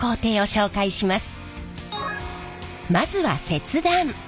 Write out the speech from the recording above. まずは切断。